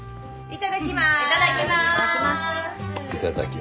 いただきます。